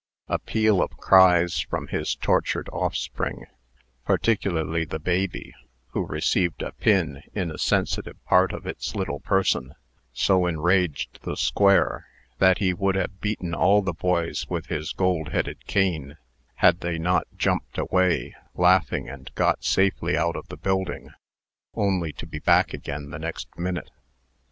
A peal of cries from his tortured offspring, particularly the baby, who received a pin in a sensitive part of its little person, so enraged "the Square," that he would have beaten all the boys with his gold headed cane, had they not jumped away, laughing, and got safely out of the building, only to be back again the next minute.